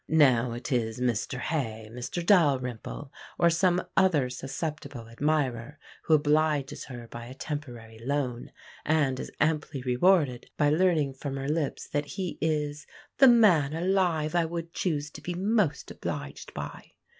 Now it is Mr Hay, Mr Dalrymple, or some other susceptible admirer who obliges her by a temporary loan, and is amply rewarded by learning from her lips that he is "the man alive I would choose to be most obliged by."